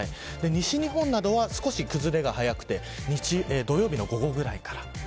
西日本などは、少し崩れが早くて土曜日の午後くらいから。